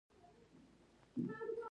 په لومړي سر کې دا برابري نه معلومیږي.